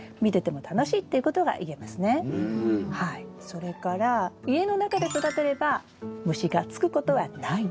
それから家の中で育てれば虫がつくことはないんです。